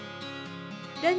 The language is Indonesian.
dan curah bagiannya adalah